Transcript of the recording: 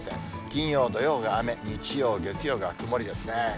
金曜、土曜が雨、日曜、月曜が曇りですね。